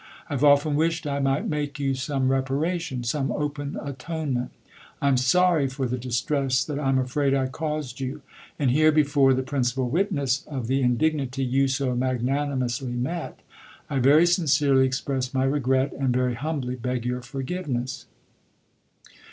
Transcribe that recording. I've often wished I might make you some reparation some open atonement. I'm sorry for the distress that I'm afraid I caused you, and here, before the principal witness of the indignity you so magnani mously met, I very sincerely express my regret and very humbly beg your forgiveness."